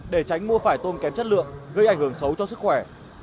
để tránh mua phải tôm kém chất lượng gây ảnh hưởng xấu cho sức khỏe